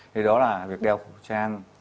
thế đó là việc đeo khẩu trang